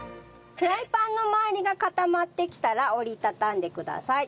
フライパンの周りが固まってきたら折り畳んでください。